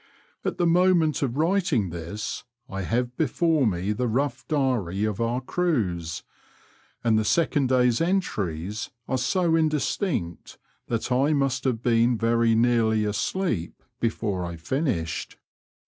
At the moment of writing this I have before me the rough diary of our cruise, and the second day's entries are so indistinct that I must have been very nearly asleep before I finished.